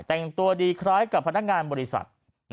แต่งตัวดีคล้ายกับพนักงานบริษัท